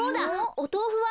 おとうふは？